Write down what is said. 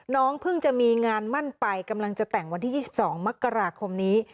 น้องเพิ่งจะมีงานมั่นไปกำลังจะแต่งวันที่๒๒มกราคมนี้